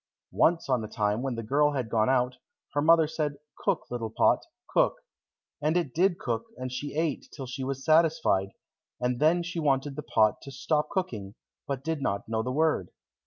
Once on a time when the girl had gone out, her mother said, "Cook, little pot, cook." And it did cook and she ate till she was satisfied, and then she wanted the pot to stop cooking, but did not know the word.